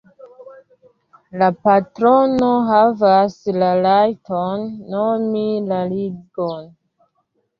La patrono havas la rajton nomi la ligon.